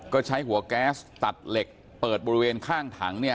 ก็ใช้หัวแก๊สตัดเหล็กเปิดบริเวณข้างถังเนี่ย